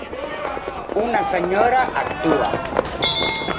Una senyora actua.